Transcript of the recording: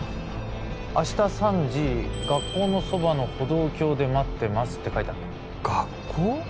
「明日３時学校のそばの歩道橋で待ってます」て書いてあった学校？